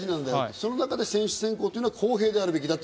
その中で選手選考は公平であるべきと。